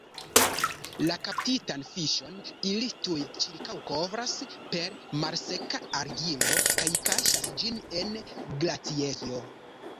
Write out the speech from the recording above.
La kaptitan fiŝon ili tuj ĉirkaŭkovras per malseka argilo kaj kaŝas ĝin en glaciejo.